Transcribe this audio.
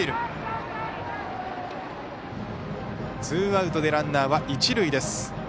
ツーアウトでランナーは一塁です。